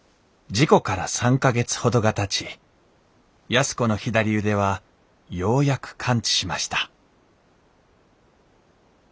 事故から３か月ほどがたち安子の左腕はようやく完治しました